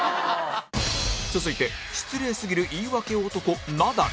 続いて失礼すぎる言い訳男ナダル